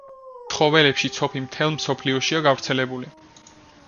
ცხოველებში ცოფი მთელ მსოფლიოშია გავრცელებული.